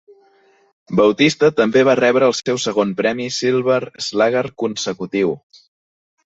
Bautista també va rebre el seu segon premi Silver Slugger consecutiu.